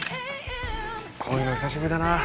こういうの久しぶりだな。